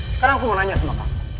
sekarang aku mau nanya sama kamu